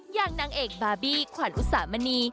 อย่างนางเอกบาร์บี้ขวานอุสามณี